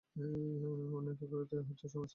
মনের একাগ্রতাই হচ্ছে সমস্ত জ্ঞানের উৎস।